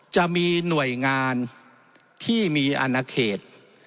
จะมีหน่วยงานที่มีอนาเขต